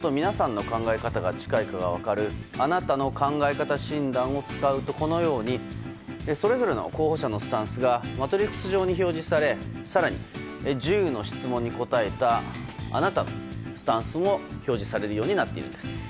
更に、どの候補と皆さんの考え方が近いか分かるあなたの考え方診断を使うとそれぞれの候補者のスタンスがマトリックス状に表示され更に１０の質問に答えたあなたのスタンスも表示されるようになっています。